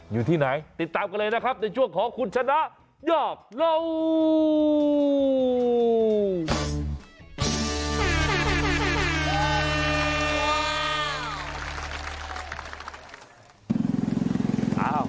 อยู่ที่ไหนติดตามกันเลยนะครับในช่วงของคุณชนะยอกเหล่า